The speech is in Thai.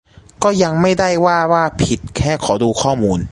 ก็ยังไม่ได้ว่าว่าผิด แค่ขอดูข้อมูล